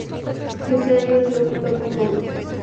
Ese año el club tocó fondo.